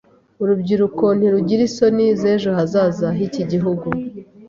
Urubyiruko ntirugira isoni z'ejo hazaza h'iki gihugu.